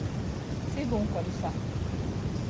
C’est bon comme ça.